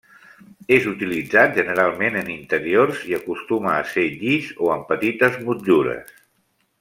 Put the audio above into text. És utilitzat generalment en interiors i acostuma a ser llis o amb petites motllures.